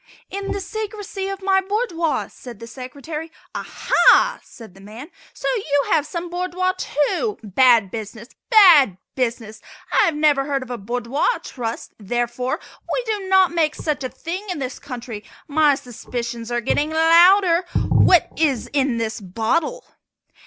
"In the secrecy of my boudoir," said the Secretary. "Aha!" said the man, "so you have some boudoir, too! Bad business! bad business! I have never heard of a Boudoir Trust, therefore, we do not make such a thing in this country. My suspicions are getting louder. What is in this bottle?"